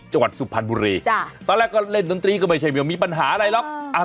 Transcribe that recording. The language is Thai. จังหวัดสุพรรณบุรีตอนแรกก็เล่นดนตรีก็ไม่ใช่ไม่มีปัญหาอะไรหรอก